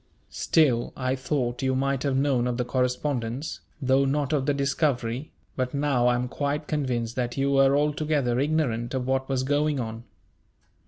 Still, I thought you might have known of the correspondence, though not of the discovery; but now I am quite convinced that you were altogether ignorant of what was going on."